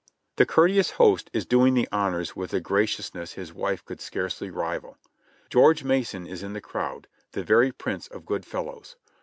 The courteous host is doing the honors with a graciousness his wife could scarcely rival. George Mason is in the crowd, the very prince of good fellows.